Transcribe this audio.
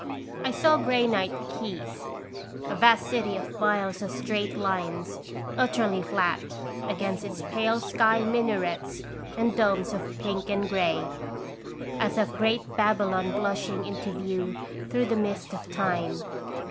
I saw granite quays, a vast city of miles of straight lines, utterly flat; against its pale sky minarets and domes of pink and gray, as of great Baby lon blushing into view through the mhst of time.